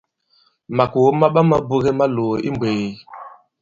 Màkòo ma ɓama buge malòò i mmbwēē.